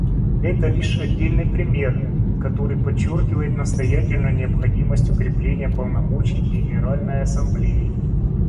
Это лишь отдельный пример, который подчеркивает настоятельную необходимость укрепления полномочий Генеральной Ассамблеи.